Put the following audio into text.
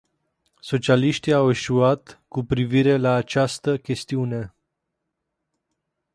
Socialiștii au eșuat cu privire la această chestiune.